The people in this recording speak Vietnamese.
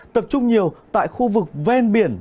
tập trung nhiều tại khu vực ven biển